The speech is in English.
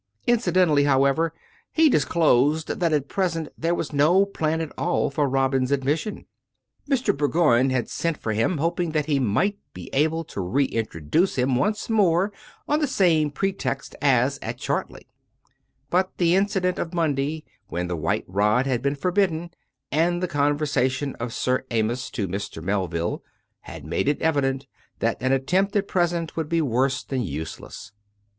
Inci dentally, however, he disclosed that at present there was no plan at all for Robin's admission. Mr. Bourgoign had sent for him, hoping that he might be able to re introduce him once more on the same pretext as at Chartley ; but the incident of Monday, when the white rod had been forbidden, and the conversation of Sir Amyas to Mr. Mel ville had made it evident that an attempt at present would be worse than useless.